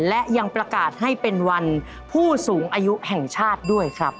และยังประกาศให้เป็นวันผู้สูงอายุแห่งชาติด้วยครับ